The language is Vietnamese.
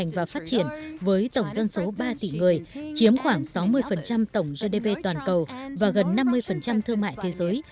và phát triển với tổng dân số ba tỷ người chiếm khoảng sáu mươi tổng gdp toàn cầu và gần năm mươi thương mại thế giới